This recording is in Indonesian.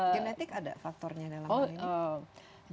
genetik ada faktornya dalam hal ini